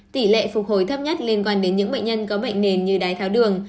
tỷ lệ phục hồi thấp nhất liên quan đến những bệnh nhân có bệnh nền như đái tháo đường